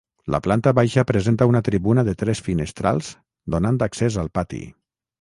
La planta baixa presenta una tribuna de tres finestrals, donant accés al pati.